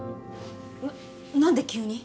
な何で急に！？